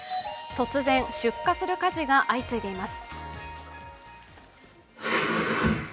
突然、出火する火事が相次いでいます。